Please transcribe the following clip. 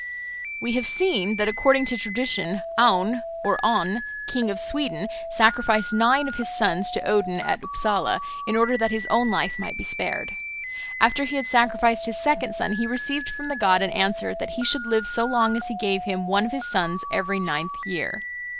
We have seen that according to tradition, Aun or On, King of Sweden, sacrificed nine of his sons to Odin at Upsala in order that his own life might be spared. After he had sacrificed his second son he received from the god an answer that he should live so long as he gave him one of his sons every ninth year.